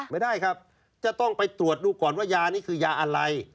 ไม่ได้ครับจะต้องไปตรวจดูก่อนว่ายานี้คือยาอะไร